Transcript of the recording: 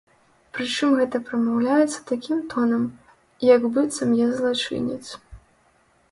Прычым гэта прамаўляецца такім тонам, як быццам я злачынец.